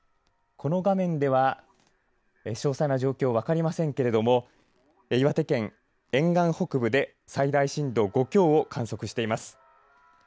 この画面では詳細な状況は分かりませんけれども岩手県沿岸北部で最大震度５強を観測しています。